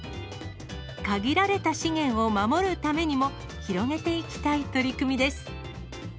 限られた資源を守るためにも、広げていきたい取り組みです。